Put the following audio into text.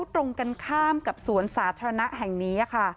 ตรงกันข้ามกับสวนสาธารณะแห่งนี้ค่ะ